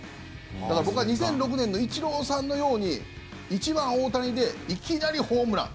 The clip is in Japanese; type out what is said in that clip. だから僕は、２００６年のイチローさんのように１番、大谷でいきなりホームラン。